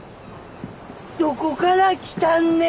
どこから来たんね？